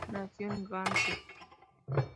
Nació en Gante.